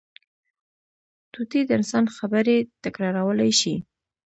طوطي د انسان خبرې تکرارولی شي